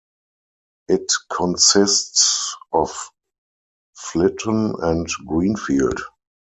It consists of Flitton and Greenfield.